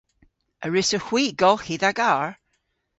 A wrussowgh hwi golghi dha garr?